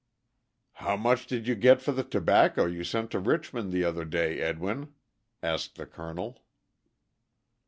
"How much did you get for the tobacco you sent to Richmond the other day, Edwin?" asked the colonel.